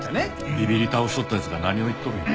ビビり倒しとった奴が何を言っとるんや。